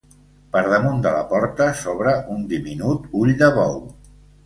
Per damunt de la porta s'obre un diminut ull de bou.